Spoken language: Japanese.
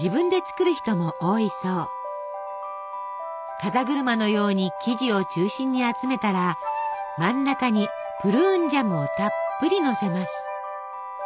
風車のように生地を中心に集めたら真ん中にプルーンジャムをたっぷりのせます。